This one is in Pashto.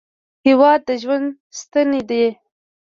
هېواد د ژوند ستنې دي.